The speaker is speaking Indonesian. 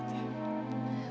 terima kasih banyak dok